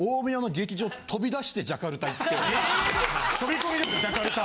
飛び込みですジャカルタ。